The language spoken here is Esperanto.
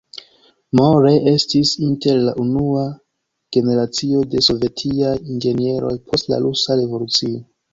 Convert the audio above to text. Moore estis inter la unua generacio de sovetiaj inĝenieroj post la Rusa Revolucio.